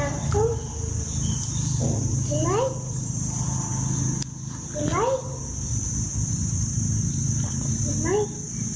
แม่กินเนียม